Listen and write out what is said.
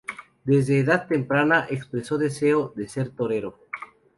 Desde edad temprana, expresó deseo de ser torero.